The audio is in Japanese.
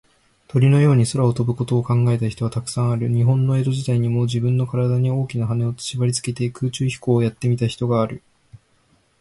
鳥のように空を飛ぶことを考えた人は、たくさんある。日本の江戸時代にも、じぶんのからだに、大きなはねをしばりつけて、空中飛行をやってみた人がある。